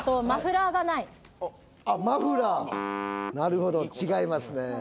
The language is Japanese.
マフラーなるほど違いますね